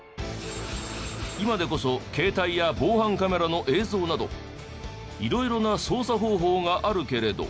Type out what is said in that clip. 今でこそ携帯や防犯カメラの映像など色々な捜査方法があるけれど。